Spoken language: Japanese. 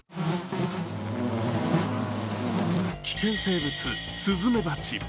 危険生物、スズメバチ。